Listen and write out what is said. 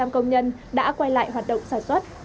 chín mươi tám công nhân đã quay lại hoạt động sản xuất